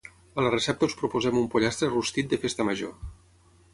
A la recepta us proposem un pollastre rostit de Festa Major